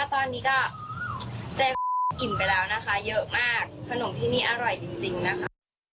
ตอนนี้ก็ได้อิ่มไปแล้วนะคะเยอะมากขนมที่นี่อร่อยจริงนะคะ